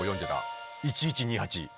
１１２８。